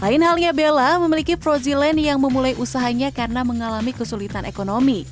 lain halnya bella memiliki proziland yang memulai usahanya karena mengalami kesulitan ekonomi